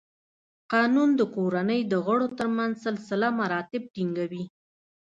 قانون د کورنۍ د غړو تر منځ سلسله مراتب ټینګوي.